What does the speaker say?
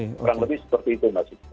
kurang lebih seperti itu mas